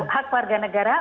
hak warga negara